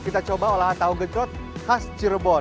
kita coba olahan tahu gejot khas cirebon